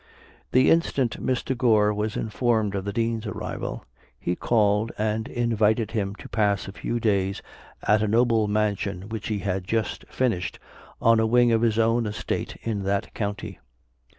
The instant Mr. Gore was informed of the Dean's arrival, he called and invited him to pass a few days at a noble mansion which he had just finished on a wing of his own estate in that county.